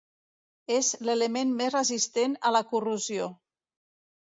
És l'element més resistent a la corrosió.